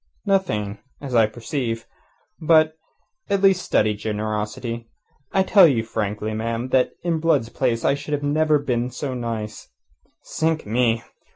"Nothing as I perceive. But, at least, study generosity. I tell you frankly, ma'am, that in Blood's place I should never have been so nice. Sink me!